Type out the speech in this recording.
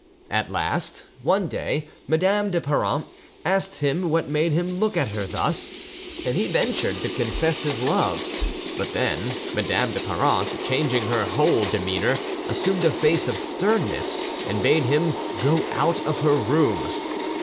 At last, one day, Madame de Perrant asked him what made him look at her thus, and he ventured to confess his love; but then Madame de Perrant, changing her whole demeanour, assumed a face of sternness and bade him go out of her room.